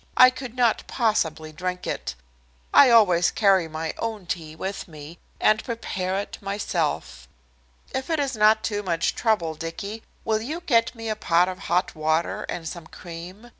I could not possibly drink it. I always carry my own tea with me, and prepare it myself. If it is not too much trouble, Dicky, will you get me a pot of hot water and some cream?